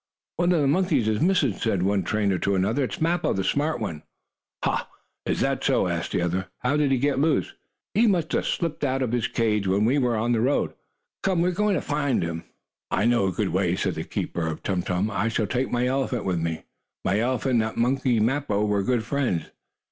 "One of the monkeys is missing," said one trainer to another. "It is Mappo, that smart one." "Ha! Is that so?" asked the other. "How did he get loose?" "He must have slipped out of the cage, when we were on the road. Come, we are going to try to find him." "I know a good way," said the keeper of Tum Tum. "I shall take my elephant with me. My elephant and that monkey Mappo were good friends.